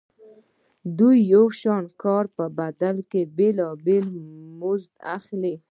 دوی د یو شان کار په بدل کې بېلابېل مزدونه اخلي